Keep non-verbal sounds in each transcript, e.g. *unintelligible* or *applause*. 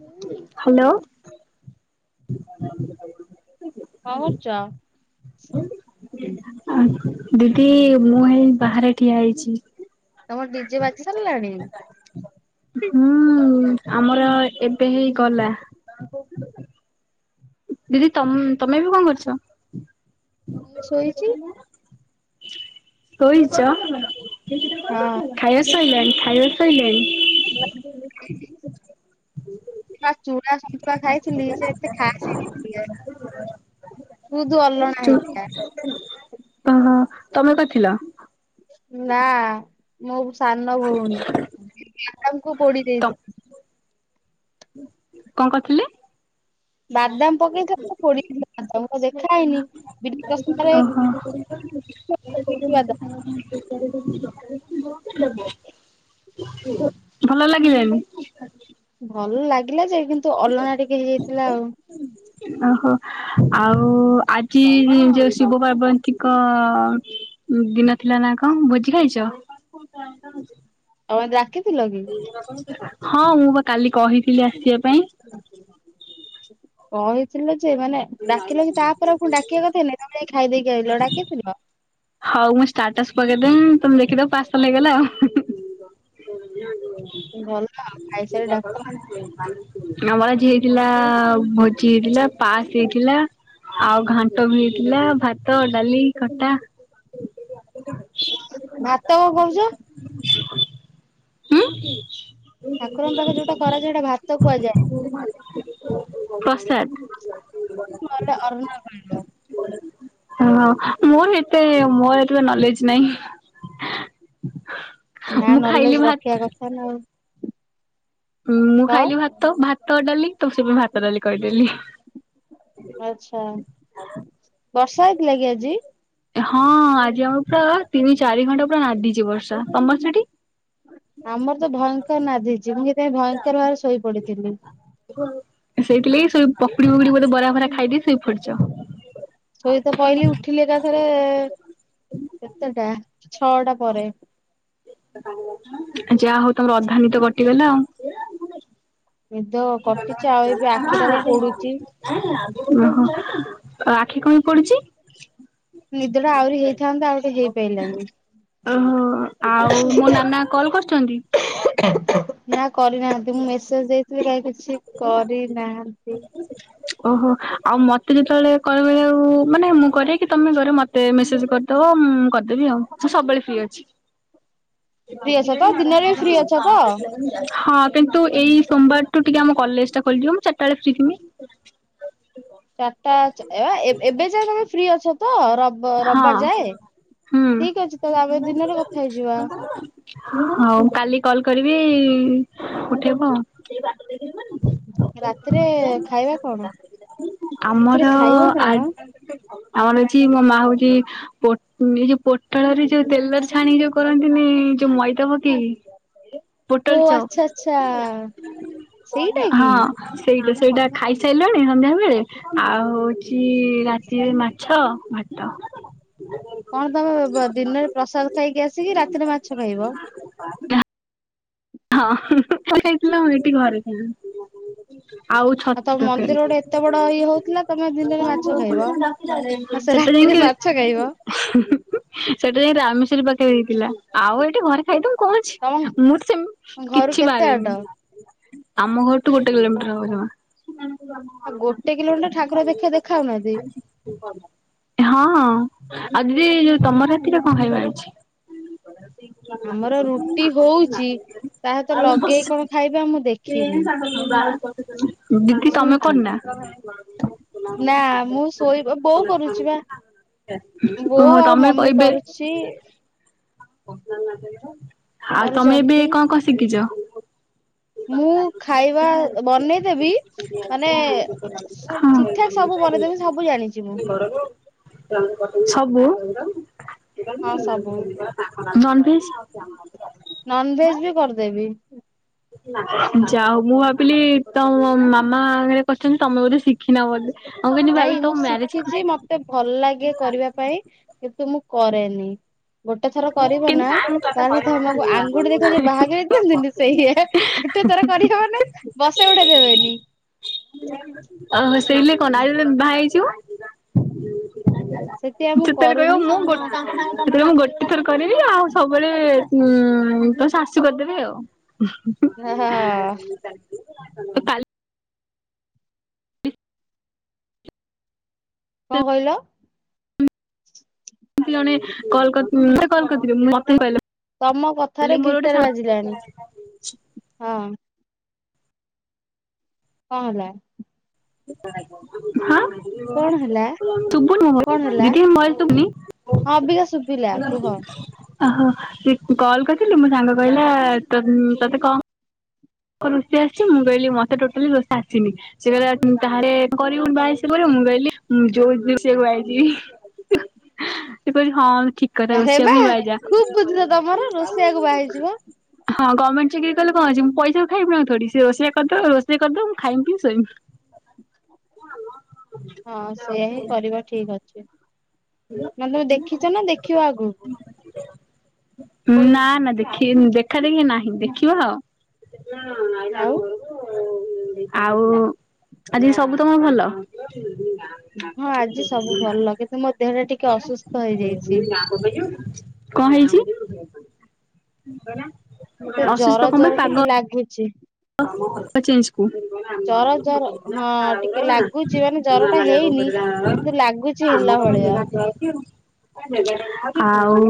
କଣ ହ୍ୟାଲୋ। ଆ କଣ କରୁଚ? ଆ ଦିଦି ମୁଁ ହେଇ ବାହାରେ ଠିଆ ହେଇଛି। ତମର ଡିଜେ ବାଜି ସାରିଲାଣି। ହଁ ଆମର ଏବେ ହେଇ ଗଲା। ଆ କ ଦିଦି ତ ତମେ ବି କଣ କରୁଚ? ଶୋଇଛି। ଶୋଇଛ? ହଁ। ଖାଇ ସଇଲାଣି ଖାଇବା ସଇଲାଣି। ଚୁଡା ସୁଆ ଖାଇଥିଲି। *unintelligible* ବହୁତ ଭଲ ଓ ହୋ ତମେ କରିଥିଲ? ନା ମୋ ସାନ ଭଉଣୀ ବାଙ୍କୁ ପୋଡି ତ ଦେଇଥିଲା। କଣ କରିଥିଲେ? ବାଦାମ ପକେଇଥା ପୋଡି ଦେଲା ସବୁ ବାଦାମ ଦେଖା ହେଇନିମାରେ ଓହୋ। *unintelligible* *unintelligible* ଭଲ ଲାଗିଲାନି? ଭଲ ଲାଗିଲା ଯେ କିନ୍ତୁ ଅଲଣା ଟିକେ ହେଇଯାଇଥିଲା ଆଉ। ଓହୋ। ଆଉ ଆଜି ଯୋଉ ଶିବ ପାର୍ବନ୍ତୀଙ୍କ ଦିନ ଥିଲା ନା କଣ ଭୋଜି ଖାଇଛ? ତମେ ଡାକିଥିଲ କି? ହଁ ମୁଁ ବା କାଲି କହିଥିଲି ଆସିବା ପାଇଁ। ହ କହିଥିଲ ଯେ ମାନେ ଡାକିଲ କି ତାପରେ ପୁଣି ଡାକିବା କଥାନି ତାମ ଖାଇଦେଇକି ଆଇଲ ଡାକିଥିଲ? ହଉ ମୁଁ ଷ୍ଟାଟସ୍ ପକେଇଦେମି ତମେ ଦେଖିଦବ ପର୍ସଲ ହୋଇଗଲା ଆଉ। ଭଲ ଆଉ *unintelligible* ଖାଇସାରି ଡାକ ଆମର ଆଜି ହେଇଥିଲା ଭୋଜି ହେଇଥିଲା ପାସ୍ ହେଇଥିଲା। ଆଉ ଘାଣ୍ଟ ବି ହେଇଥିଲା ଭାତ ଡାଲି ଖଟା ଭାତ କଣ କହୁଛ? *inaudible* ଠାକୁରଙ୍କ ପାଖରେ ଯୋଉଟା କରାଯାଏ ସେଇଟା ଭାତ କୁହାଯାଏ। ପ୍ରସାଦ। *unintelligible* ହଁ ମୁଁ ନି ଏ ମୋର ଏତେଟା ନୋଲେଜ୍ ନାହିଁ। ମୁଁ ଖାଇଲି ଭା ହେଲୋ। ହଁ ମୁଁ ଖାଇଲି ଭାତ ଭାତ ଡାଲି ତ ସେ ପୁଣି ଭାତ ଡାଲି କରିଦେଲି। ଆଚ୍ଛା। ବର୍ଷା ହେଇଥିଲା କିି ଆଜି? ହଁ ଆଜି ଆମର ପୁରା ତିନି ଚାରି ଘଣ୍ଟା ପୁରା ନାଧିଛି ବର୍ଷା। ତମର ସେଠି? ଆମର ତ ଭୟଙ୍କର ନାଧିଛି। ମୁଁ ସେଥିପାଇଁ ଭୟଙ୍କର ଭାବରେ ଶୋଇ ପଡିଥିଲି। ସେଇଥିଲାଗି ଶୋ ପକୁଡି ଫକୁଡି ବୋଧେ ବରା ବରା ଖାଇଦିଇକି ଶୋଇପଡ଼ିଛ? ଶୋଇତ ପଇଲି ଉଠିଲି ଏକା ଥରେ କେତେଟା ଛଅଟା ପରେ। ଯାଆ ହଉ ତମର ଅଧାନିଦ କଟିଗଲା ଆଉ। ନିଦ କଟିଛି ଆଉ ଏବେ ଆଖି ଟାପା ପୋଡୁଛି। ଓହୋ। ଆଉ ଆଖି କଣ କାଇଁ ପୋଡୁଛି? ନିଦଟା ଆହୁରି ହେଇଥାନ୍ତା ଆଉ ଟିକେ ହେଇପାରିଲାନି। ଓହୋ। ଆଉ ମୋ ନାନା କଲ କରିଛନ୍ତି? ନା କରିନାହାନ୍ତି ମୁଁ ମେସେଜ ଦେଇଥିଲି କାହିଁ କିଛି କରିନାହାନ୍ତି। *inaudible* ଓହୋ। ଆଉ ମତେ ଯେତେବେଳେ କଲ୍ କରିବାକୁ ମାନେ ମୁଁ କରେ କି ତମେ କର ମତେ ମେସେଜ କରିଦବ ମୁଁ କ ଦେବି ଆଉ। ସେ ସବୁବେଳେ ଫ୍ରି ଅଛି। *unintelligible* ଫ୍ରି ଅଛ ତ ଦିନରେ ବି ଫ୍ରି ଅଛ ତ? ହଁ। କିନ୍ତୁ ଏଇ ସୋମବାରଠୁ ଟିକେ ଆମ କଲେଜ ଟା ଖୋଲିଯିବ। ମୁଁ ଚାରଟା ବେଳେ ଫ୍ରୀ ଥିବି। ଚାରିଟା ଏ ଏବେ ଯାଏ ତମେ ଫ୍ରି ଅଛ ତ? ର ହଁ ହୁଁ। ଅଛି ତାହେଲେ ଆମେ ଦିନରେ କଥା ହେଇଯିବା ହଉ କାଲି କଲ କରିବି ଉଠେଇବ ଆଉ। ରାତିରେ ଖାଇବା କଣ? ଆମର ରାତିରେ ଖାଇବା ଆ କଣ? ଆମର ଅଛି ମୋ ମା ହଉଛି ପୋ ଏଇ ଯୋଉ ପୋଟଳରେ ଯୋଉ ତେଲର ଛାଣି ଯୋଉ କରନ୍ତିନି। ଯୋଉ ମଇଦା ପକେଇକି ଓ ପୋଟଲ ଚପ୍। ଆଚ୍ଛା ଆଚ୍ଛା ସେଇଟା କି? ହଁ। ସେଇଟା ସେଇଟା ଖାଇସାରିଲଣି ସନ୍ଧ୍ୟାବେଳେ। ଆଉ ଜି ରାତିରେ ମାଛ। କଣ ତମେ ଦିନରେ ପ୍ରସାଦ ଖାଇକି ଆସିକି ରାତିରେ ମାଛ ଖାଇବ? ହଁ ଯାଇଥିଲ। ମୁଁ ଏଠି ଘରେ ଥିଲି। ଆଉ ଛତୁ ତମ ମନ୍ଦିର ତକାରୀ। ଗୋଟେ ଏତେ ବଡ ଇଏ ହଉଥିଲା ତମେ ଦିନରେ ମାଛ ଖାଇବ *unintelligible* ନା ସେ ରାତିରେ ମାଛ ଖାଇବ? ସେଟା ଯାଇ ରାମେଶ୍ଵରୀ ପାଖରେ ହେଇଥିଲା। ଆଉ ଏଇଠି ଘରେ ସେଇଠୁ କଣ ତମ ଅଛି। ମୁଁ ତ ସେମ୍ ଘରୁ କିଛି କେତେ ବାଟ? ବାରେନି। ଆମ ଘରଠୁ ଗୋଟେ କିଲୋମିଟର ହବ ଜମା। *unintelligible* ଆଉ ଗୋଟେ କିଲୋମିଟର ଠାକୁର ଦେଖେ। ଦେଖାହଉନାହାନ୍ତି? ହଁ। ଆଉ ଦିଦି ଯୋଉ ତମର ରାତିରେ କଣ ଖାଇବ ହେଇଛି? ଆମର ରୁଟି ହଉଛି। ତାହା ତ ଲଗେଇ କଣ ଖାଇବା ମୁଁ ଦେଖିନି ଦିଦି ତମେ ଶୁଇଥିଲି। କରନା? ନା ମୁଁ ଶୋଇବା ବୋଉ କରୁଛି ବା। ହ ବୋଉ ଆଉ ତମେ ମମି କହିବେ କରୁଛି ଆଉ ତମେ ଏବେ କରୁଛନ୍ତି କଣ କଣ ଶିଖିଛ? ମୁଁ ଖାଇବା ବନେଇଦେବି ମାନେ ଠିକଠାକ ସବୁ ବନେଇଦେବି ସବୁ ଜାଣିଛି ମୁଁ। ବଡବୋଉ। ହଁ ସବୁ ସବୁ *unintelligible* ନନ ଭେଜ ବି କରିଦେବି। ଯାାଉ ମୁଁ ଭାବିଲି ତମ ମାମାଙ୍ଗରେ କହିଛନ୍ତି ତମେ ବୋଧେ ଶିଖିିନ ବୋଧେ। ମୁଁ କିନ୍ତୁ ନାଇଁ ଭାବିଲି ମୁଁ ତମ ମ୍ୟାରେଜ ଶିଖିଛି ମତେ ଭଲ ଲାଗେ କରିବା ପାଇଁ କିନ୍ତୁ ମୁଁ କରେନି। ଗୋଟେ ଥର କରିବ ନା ତା ସହିତ ଆମକୁ ଆଙ୍ଗୁଠି ଦେଖାଯାଉ ବାହାଘର ସେଇ ଗୋଟେ ଥର କରିହବ ନା ବସେ ଗୋଡେ ଦେବେନି। ଓହ ସେଇ କଣ ଆଇଲାରୁ ବାହା ସେଥିପାଇଁ ହେଇଯିବ। ମୁଁ ଯେତେଲେ କହିବ କରୁନି। ମୁଁ ଗ ସେଥିେବେଳେ ମୁଁ ଗୋଟେ ଥର କରିବି ଆଉ ସବୁବେଳେ ଉଁ ତ ଶାଶୁ କରିଦେବି ଆଉ। *unintelligible* ଓ ହ ହ। ତ କାଲି କଣ କହିଲ। ଜ କରିଁ ମତେ କହିଲ ତମ କଥାରେ ଗିଟାର ବାଜିଲାଣି ହଁ। କହ ହେଲା। ସେ *unintelligible* ହଁ କଣ ହେଲା ତୁବୁ ନହବ ଦିଦି ତୁମା *unintelligible* ହଁବିକା ଶୁଭିଲା କୁହ ଓହୋ ସେ କଲ୍ କରିଥିଲି ମୋ ସାଙ୍ଗ କହିଲା ତତେ କଣ ଙ୍କ ରୋଷେଇ ଆସିଛି ମୁଁ କହିଲି ମତେ ଟୋଟାଲି ରୋଷେଇ ଆସିନି ସେ କହିଲା ତାହରେ କରିବୁନି ବାହା ହେଇ ସେ କରିବ ମୁଁ ଗହଲିି ମୁଁ ଯୋଉ ସେ ଗୁ *unintelligible* ଏପରି ହଁ ଠିକ କର ଆରେ ରୋଷେଇ ବା ପାଇଁ ପାଇଜା ଖୁବ ବୁଦ୍ଧି ତ ତମର ରୋଷେଇଆକୁ ବାହାହେଇଯିବ ହଁ ଗଭଣ୍ଣମଣ୍ ଚାକିରି କଲେ କ ଅଛି ମୁ ପଇସା ଖାଇବୁନା ଥୋଡି ସେ ରୋଷେଇଆ କରିଦବ ରୋଷେଇ କରିଦବ ମୁଁ ଖାଇମି ପିମି ଶୋଇମି ହଁ ସେଇୟଆ ହିଁ କରିବ ଠିକ ଅଛି ମାନେ ତମେ ଦେଖିଛ ନା ଦେଖିବ ଆଗକୁ ନା ନା ଦେଖ ଦେଖା ଦେଖି ନାହିଁ ଦେଖିବା ଆଉ ଆଉ ଆଉ ଆଜି ସବୁ ତମ ଭଲ ହଁ ଆଜି ସବୁ ଭଲ କିନ୍ତୁ ମୋ ଦେହଟା ଟିକେ ଅସୁସ୍ଥ ହେଇଯାଇଛି କଣ ହେଇଛି? ଅସୁସ୍ଥ କ ପାଇଁ ପାଗ ଲାଗୀଛି ପ ଚେଞ୍ଚ କୁ *unintelligible* ମାମଲି ଜର ଘର ବୋଉ ଜର କହୁଥିଲା *unintelligible* ଆ ହଁ ଟିକେ ଆମର ଲାଗୁଛି ମାନେ ଜର ଟା ହେଇନି କିନ୍ତୁ ଲାଗୁଛି ହେଲା କଣ ଭଳିଆ ଜାଗା ଥୁଆ ହେଇଚି ଆଉ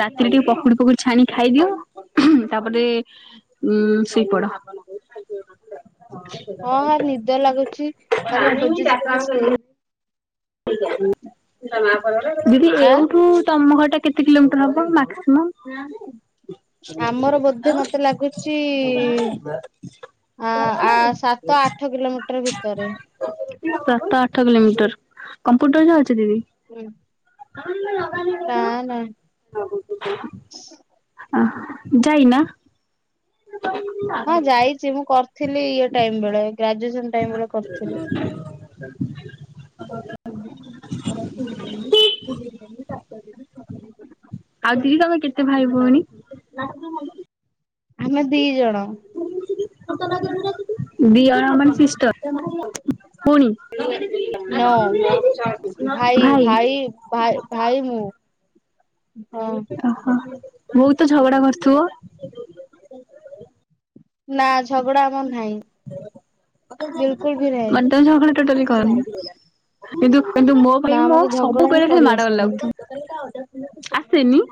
ରାତିରେ ଟିକେ ପକୁଡି ପକୁଡି ଛାଣି ଖାଇଦିଅ ହୁ ତାପରେ ଉ ସେଇପଡ ହଁ ହଁଁ ନିଦ ଲାଗୁଛି କାଲି ଖୋଜୁଛି କେମେ ଶୋଇ ଦିଦି ଆଁ ଏଉଠୁ ତମ ଘରଟା କେତେ କିଲୋମିଟର ହବ ମାକ୍ସିମମ୍ ଆମର ବୋଧେ ମତେ ଲାଗୁଚି ହ *inaudible* ଆ ଆ ସାତ ଆଠ କିଲୋମିଟର ଭିତରେ ସାତ ଆଠ କିଲୋମିଟର କମ୍ପୁଟର ଯାଉଛି ଦିଦି ଆଗ ନା ନା *unintelligible* ଅ ହ ଯାଇନା ହ *inaudible* ହଁ ଯାଇଛି ମୁଁ କରିଥିଲି ଇଏ ଟାଇମ ବେଳେ ଗ୍ରାଜୁ ଆ *unintelligible* *unintelligible* ଦିଦି ତମେ କେତେ ଭାଇ ଭଉଣୀ? ଲ *unintelligible* ଆମେ ଦି ଜଣ ଦି ଜଣ ମାନେ ସିଷ୍ଟର ପୁଣି ନୋ *unintelligible* ଭାଇ ଭାଇ ଭାଇ ମୁଁ ହଁ ଓହୋ ବହୁତ ତ ଝଗଡା କରୁଥିବ ନା ଝଗଡା ଆମର ନାହିଁ ବିଲକୁଲ ବି ନାହିଁ। ମାନେ ତମ ଝଗଡା ଟୋଟାଲି କରନି କିନ୍ତୁ କିନ୍ତୁ ମୋ ନା ଭାଇ ମୋ ମତେ ଝଗଡା ହିଁ ସବୁବେଳେ ମାଡଗଳ କରିଆସେନି ଲାଗୁଛି ଆସେନି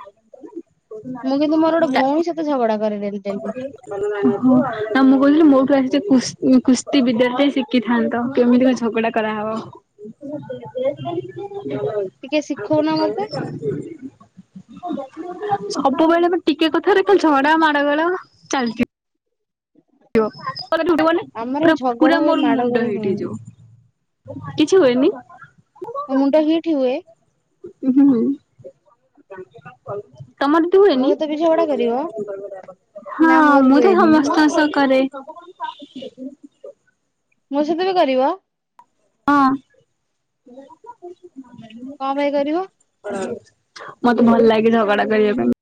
ମୁଁ କିନ୍ତୁ ମୋର ଗୋଟେ ଭଉଣୀସେତ ଝଗଡା କରେ ଡେଲି କଣ ଡେଲି। କରିବି? ନା ମୁଁ କହୁଥିଲି ମୋଠୁ ଆସି କୁସ୍ତି ବିଦ୍ୟାର୍ଥ ଶିଖିଥାନ୍ତ, କେମିତି କଣ ଝଗଡା କରାହବ। ଟିକେ ଶିଖଉନା ମତେ *unintelligible* ସବୁବେଳେ ଆମେ ଟିକେ କଥାରେ ଖାଲି ଝଗଡା, ମାଡ ଗୋଳ ଚାଲିଚି। *unintelligible* ଆମର ପୁରା ଝଗଡା ପୁରା ହୁଏ ମୋର ମାଡ ମୁଣ୍ଡ ଗୋଳି ହିଟ୍ ହୁଏନି ହେଇଯିବ। କିଛି ହୁଏନି? ମୋ ମୁଣ୍ଡ ହିଟ୍ ହୁଏ ହୁଁ, ତମର ମୋ ସହିତ ବି ଝଗଡା କରିବ ନା ହଁ, ମୋର ମୁଁ ତ ହୁଏନି ସମସ୍ତଙ୍କ ସହ କରେ। *unintelligible* ମୋ ସାଥିରେ କରିବ? ହଁ। କଁ ପାଇଁ କରିବ? ମତେ ଭଲ ଲାଗେ ଝଗଡା କରିବା ପାଇଁ।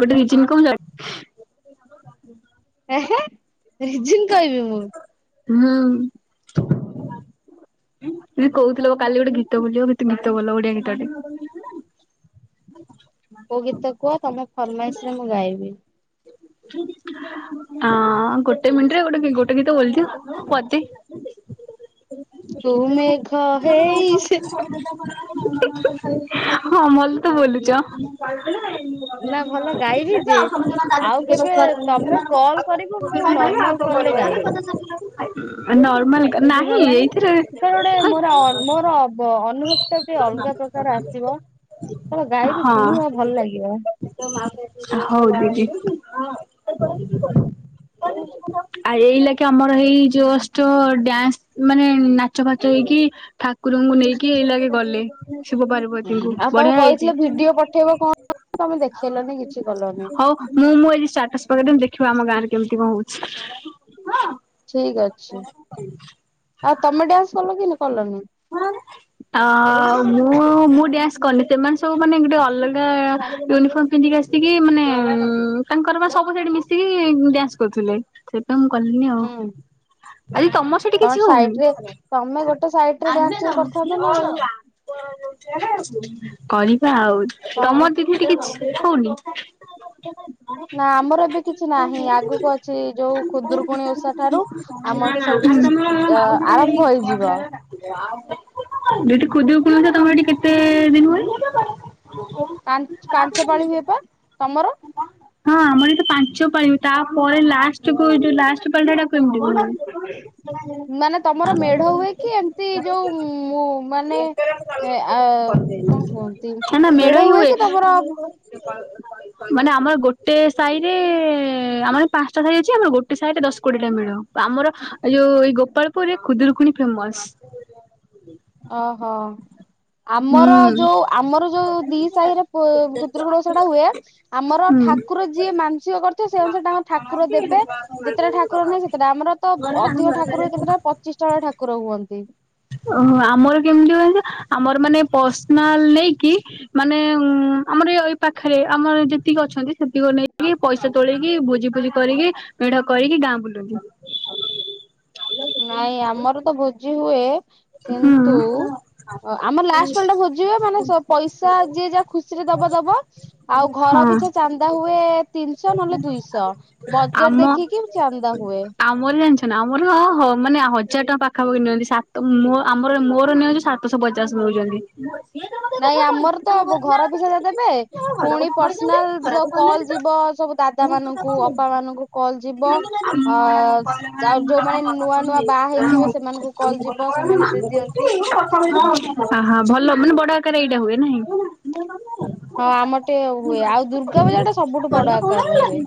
ଗୋଟେ ରିଜିନ୍ କଣ ଜାଣି ଏହେ ରିଜିନ୍ କହିବି ମୁଁ। ହୁଁ। ନାଇଁ କହୁଥିଲ କାଲି ଗୋଟେ ଗୀତ ବୋଲିବ, ଗୋଟେ ଗୀତ ବୋଲ ଓଡିଆ ଗୀତଟେ। କୋଉ ଗୀତ କୁହ, ତମ ଫରମାଇଶ ରେ ମୁଁ ଗାଇବି। ଅଁ, ଗୋଟେ ମିନିଟରେ ଗୋଟେ ଗୋଟେ ଗୀତ ବୋଲିଦିଅ ପଦେ। ତୁ ମେଘ ହେଇ ଯା ହଁ ମଲ ତ ବୋଲୁଚ। ନା ଭଲ ଗାଇବି ଯେ ଆଉ କେବେ ତମେ କଲ୍ କରିବ ମୁଁ ନର୍ମାଲ କଲରେ ଗାଇବି *unintelligible* ନର୍ମାଲ ନାହିଁ ଏଇ ସେଟାରେ ଗୋଟେ ମୋର ମୋର ଅନୁଭବ ଟା ଗୋଟେ ଅଲଗା ପ୍ରକାର ଆସିବ। କଣ ଗାଇବି, ହଁ ଶୁଣିବ, ଭଲ ଲାଗିବ। ହଉ ଦିଦି। ଆଉ ଏଇ ଲାଗି ଆମର ଏଇ ଜଷ୍ଟ ଡ୍ୟାନ୍ସ ମାନେ ନାଚ ପାଛ ଫାଚ ହେଇକି, ଠାକୁରଙ୍କୁ ନେଇକି, ଏଇ ଲାଗେ ଗଲେ। ଶିବ ପାର୍ବତୀଙ୍କୁ, ବଢିଆ ହେଇଚି। ଉଠେଇବ କଣ, ତମେ ଦେଖେଇଲନି କିଛି କଲନି। ହଉ ମୁଁ, ମୁଁ ଆଜି ଷ୍ଟାଟସ ପକେଇଦେବି, ଦେଖିବ ଆମ ଗାଁ ରେ କେମିତି କଣ ହୋଉଛି। ଠିକ ଅଛି, ଆଉ ତମେ ଡ୍ୟାନ୍ସ କଲ କି କଲନି? ଆଁ ମୁଁ *unintelligible* ମୁଁ ଡ୍ୟାନ୍ସ କରିନି। ସେମାନେ ସବୁ ମାନେ ଗୋଟେ ଅଲଗା ୟୁନିଫର୍ମ ପିନ୍ଧିକି ଆସିକି ମାନେ ତାଙ୍କର ପା ସବୁ ସେଇଠି ମିଶିକି ଡ୍ୟାନ୍ସ କରୁଥିଲେ। ସେଥିପାଇଁ ମୁଁ କଲିିନି ଆଉ। ହୁଁ ଆଜି ତମର ସେଠି ତମେ କିଛି ସାଇଡ ହଉନି? ରେ ତମେ ଗୋଟେ ସାଇଟ୍ *unintelligible* କରିବା ଆଉ, କଣ ତମ ଦି କିଛି ହଉନି? ନା ଆମର ଏବେ କିଛି ନାହିଁ। ଆଗକୁ ଅଛି ଯୋଉ ଖୁଦୁରୁକୁଣୀ ଓଷା ଠାରୁ ଆମ ଏଠି ସବୁ *unintelligible* କିଛି ଅ ଯଉଠି ଆରମ୍ଭ ଖୁଦୁରୁକୁଣୀ ହେଇଯିବ ଓଷା ତମର ସେଠି କେତେ ଦିନ ହୁଏ। ପାଞ୍ଚ ପାଞ୍ଚ ପାଳି ହୁଏ ବା ତମର। ହଁ, ଆମର ଏଟି ପାଞ୍ଚପାଳି ହୁଏ। ତାପରେ ଲାଷ୍ଟ କୁ ଯୋଉ ଲାଷ୍ଟ ପାଳିଟା ସେଟା କୁ କଡି *inaudible* ମାନେ ତମର ମେଢ ହୁଏ କି? ଏମତି ଯୋଉ ମୁ ମାନେ ଏ ଆ କଣ କୁହନ୍ତି? ନା ନା ମେଢ ହିଁ ହୁଏ କି ତମର *inaudible* ମାନେ ଆମର ଗୋଟେ ସାହି ରେ, ଆମର ପାଞ୍ଚଟା ସାହି ଅଛି। ଆମର ଗୋଟେ ସାହି ରେ ଦଶ କୋଡିଏ ଟା ମେଢ଼। ଆମର ଏ ଯୋଉ, ଏଇ ଗୋପାଳପୁରରେ ଖୁଦୁରୁକୁଣି ଫେମସ। ଓହୋ ହୁଁ ଆମର ଯୋଉ ଆମର ଯୋଉ? ଦି ସାହିରେ ଖୁଦୁରୁକୁଣୀ ଓଷାଟା ହୁଏ। ଆମର ହୁଁ ଠାକୁର ଯିଏ ମାାନସିକ କରି ସେ ଅନୁସାରେ ତାଙ୍କର ଠାକୁର ଦେବେ। ଯେତେଟା ଠାକୁର ନାହିଁ, ସେତେଟା। ଆମର ତ ଅଧିକ ଠାକୁର ହୁଏ। କେତେଟା ପଚିଶ ଟା ଠାକୁର ହୁଅନ୍ତି। ଓହୋ ଆମର କେମିତି ହୁଏ ଜାଣିଚ ଆମର ମାନେ ପର୍ସନାଲ ନେଇକି ମାନେ ଉ ଆମର ଏ ଏଇ ପାଖରେ ଆମର ଯେତିକି ଅଛନ୍ତି, ସେତିକି ନେଇକି ପଇସା ତୋଳେଇକି ଭୋଜି ଭୋଜି କରିକି ମେଢ କରିକି ଗାଁ ବୁଲନ୍ତି। ନାଇଁ ଆମର ତ ଭୋଜି ହୁଏ, ହୁଁ କିନ୍ତୁ ଓ ଆମର ଲାଷ୍ଟ ପାଳି ଟା ଭୋଜିହୁଏ। ମାନେ ପଇସା ଯିଏ ଯାହା ଖୁସିରେ ଦବ ଦବ ଆଉ ଘର ହଁ ପିଛା ଚାନ୍ଦା ହୁଏ ତିନିଶହ ନହେଲେ ଦୁଇଶହ। ବଜେଟ ଦେଖିକି ଚାନ୍ଦା ହୁଏ। ହୁଏ। ମୋର ଜାଣିଛ ନା ଆମର ମାନେ ହଜାର ଟଙ୍କା ପାଖ ପାଖାପାଖି ନିଅନ୍ତି। ସାତ ମୋ ଆମର ମୋର ନିଅନ୍ତି ସାତଶହ ପଚାଶ ନଉଛନ୍ତି। ନାଇଁ ଆମର ତ ଘର ପିଛା ଯାହା ଦେବେ। ପୁଣି ପର୍ସନାଲ ଯ କଲ ଯିବ ସବୁ ଦାଦା ମାନଙ୍କୁ ଅପା ମାନଙ୍କୁ କଲ ଯିବ। ଅ ଯାଉ ଯୋଉମାନେ ନୂଆ ନୂଆ ବାହା ହେଇଥିବେ ସେମାନଙ୍କୁ କଲ ଯିବ। ସେମାନେ ଦେଇଦିଅନ୍ତି। ସେ *inaudible* ଆହା ଆହା ଭଲ ମାନେ ବଡ ଆକାର ଏଇଟା ହୁଏ ନାହିଁ। ହଁ ଆମର ଟିକେ ହୁଏ। ଆଉ ଦୁର୍ଗା ପୂଜା ଟା ସବୁଠୁ ବଡ ଆକାରରେ ହୁଏ।